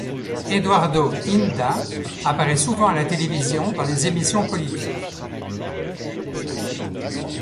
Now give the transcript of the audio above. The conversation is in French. Eduardo Inda apparaît souvent à la télévision dans les émissions politiques.